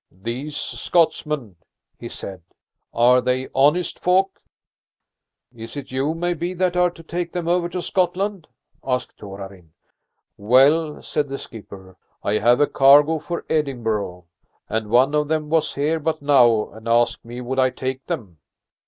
"These Scotsmen," he said, "are they honest folk?" "Is it you, maybe, that are to take them over to Scotland?" asked Torarin. "Well," said the skipper, "I have a cargo for Edinburgh, and one of them was here but now and asked me would I take them.